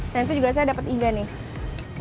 dan itu juga saya dapat iga nih